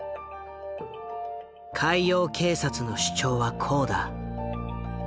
海洋警察の主張はこうだ。